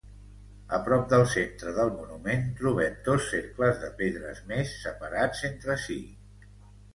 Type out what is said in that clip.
A prop del centre del monument trobem dos cercles de pedres més, separats entre si.